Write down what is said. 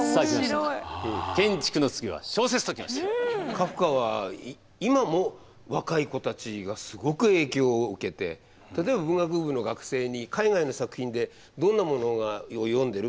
カフカは今も若い子たちがすごく影響を受けて例えば文学部の学生に「海外の作品でどんなものを読んでる？